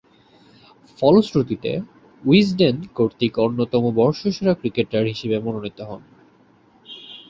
ফলশ্রুতিতে, উইজডেন কর্তৃক অন্যতম বর্ষসেরা ক্রিকেটার হিসেবে মনোনীত হন।